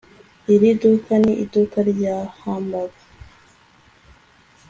iri duka ni iduka rya hamburger